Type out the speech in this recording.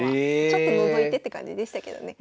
ちょっとのぞいてって感じでしたけどね。